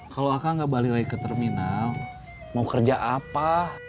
kalau akh nggak balik lagi ke terminal mau kerja apa